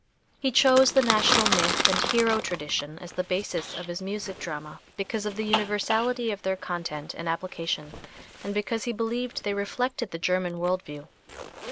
He chose the national myth and hero tradition as the basis of his music drama because of the universality of their content and application, and because he believed they reflected the German world view.